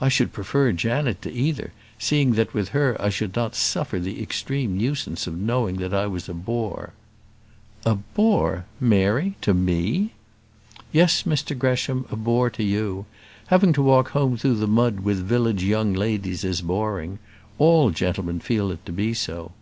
"I should prefer Janet to either, seeing that with her I should not suffer the extreme nuisance of knowing that I was a bore." "A bore! Mary, to me?" "Yes, Mr Gresham, a bore to you. Having to walk home through the mud with village young ladies is boring. All gentlemen feel it to be so."